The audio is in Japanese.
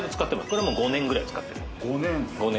これはもう５年ぐらい使ってる５年？